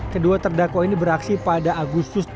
kedua terdakwa ini beraksi pada agustus dua ribu dua puluh dua lalu